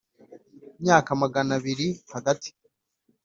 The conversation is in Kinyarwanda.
myaka magana abiri Hagati